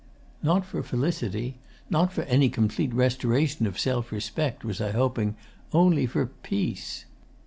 Not for felicity, not for any complete restoration of self respect, was I hoping; only for peace.